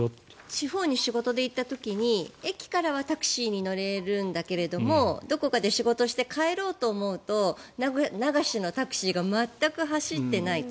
地方に仕事で行った時に駅からはタクシーに乗れるんだけどもどこかで仕事して帰ろうと思うと流しのタクシーが全く走ってないと。